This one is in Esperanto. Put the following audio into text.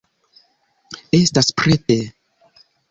Estas prete.